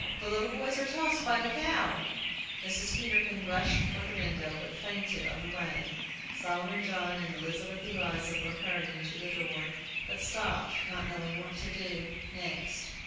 The little boys are tossed by the cow!" Mrs. Peterkin rushed for the window, but fainted on the way. Solomon John and Elizabeth Eliza were hurrying to the door, but stopped, not knowing what to do next.